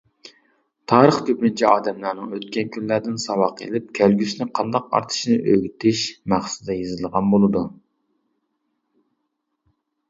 تارىخ كۆپىنچە ئادەملەرنىڭ ئۆتكەن كۈنلەردىن ساۋاق ئېلىپ، كەلگۈسىنى قانداق ئارتىشىنى ئۆگىتىش مەقسىتىدە يېزىلغان بولىدۇ.